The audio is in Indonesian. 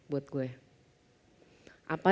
buat gue apa